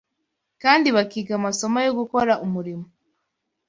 kandi bakiga amasomo yo gukora umurimo